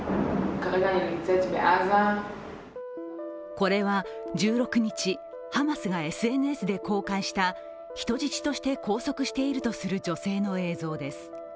これは１６日、ハマスがＳＮＳで公開した人質として拘束しているとする女性の映像です。